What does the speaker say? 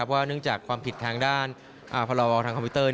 เนื่องจากความผิดทางด้านพรบทางคอมพิวเตอร์